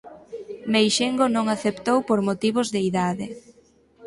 Meixengo non aceptou por motivos de idade.